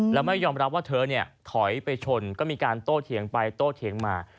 แล้วไม่ยอมรับว่าเธอเนี่ยถอยไปชนก็มีการโต้เถียงไปโต้เถียงมา